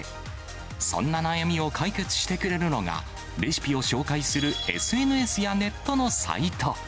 そんな悩みを解決してくれるのが、レシピを紹介するＳＮＳやネットのサイト。